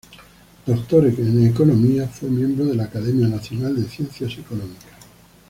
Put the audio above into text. Doctor en Economía, fue miembro de la Academia Nacional de Ciencias Económicas.